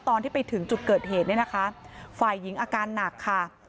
ตอนที่ไปถึงจุดเกิดเหตุเนี่ยนะคะฝ่ายหญิงอาการหนักค่ะ